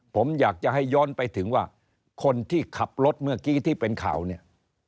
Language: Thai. ผมอยากจะให้ย้อนไปถึงว่าคนที่ขับรถเมื่อกี้ที่เป็นข่าวเนี่ย